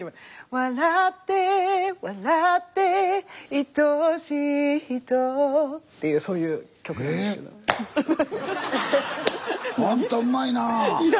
「笑って笑って愛しい人」っていうそういう曲です。え？